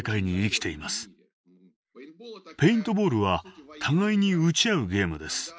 ペイントボールは互いに撃ち合うゲームです。